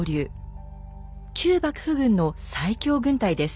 旧幕府軍の最強軍隊です。